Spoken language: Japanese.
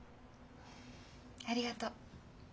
ありがとう。